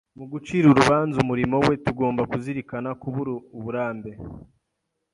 Mugucira urubanza umurimo we, tugomba kuzirikana kubura uburambe.